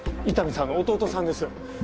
伊丹さんの弟さんです。